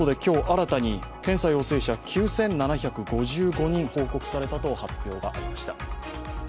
新たに検査陽性者、９７５５人確認されたと報告されたと発表がありました。